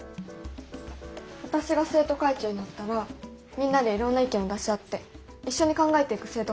私が生徒会長になったらみんなでいろんな意見を出し合って一緒に考えていく生徒会にしたいんです。